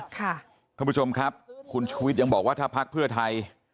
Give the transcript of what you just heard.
ท่านผู้ชมครับคุณชุวิตยังบอกว่าถ้าพักเพื่อไทย